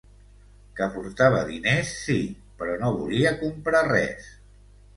Que portava diners, sí, però no volia comprar res...